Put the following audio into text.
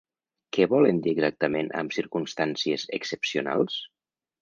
Què volen dir exactament amb ‘circumstàncies excepcionals’?